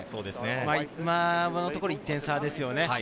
今のところ１点差ですよね。